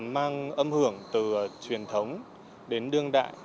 mang âm hưởng từ truyền thống đến đương đại